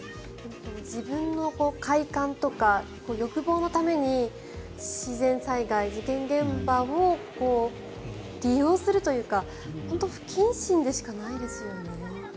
自分の快感とか欲望のために自然災害、事件現場を利用するというか本当不謹慎でしかないですよね。